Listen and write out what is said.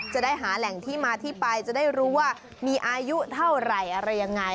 จะได้หาแหล่งที่มาที่ไปจะได้รู้ว่ามีอายุเท่าไหร่อะไรยังไง